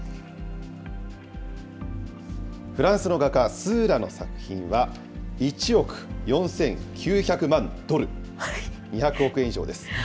フランスの画家、スーラの作品は、１億４９００万ドル、２００億円以上です。